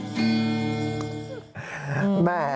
ทั้งอำเผก